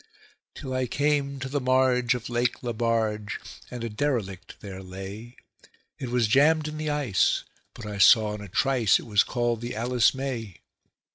Till I came to the marge of Lake Lebarge, and a derelict there lay; It was jammed in the ice, but I saw in a trice it was called the "Alice May".